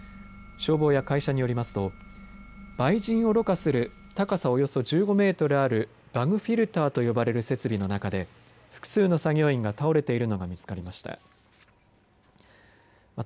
消防や会社によりますとばいじんをろ過する高さおよそ１５メートルあるバグフィルターと呼ばれる設備の中で複数の作業員が倒れているのが見つかりました。